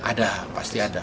ada pasti ada